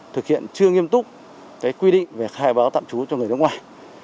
thực hiện chưa nghiêm túc quy định về khai báo tạm trú cho người nước ngoài